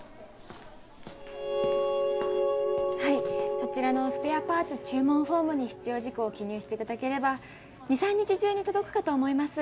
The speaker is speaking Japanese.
はいそちらのスペアパーツ注文フォームに必要事項を記入していただければ２３日中に届くかと思います。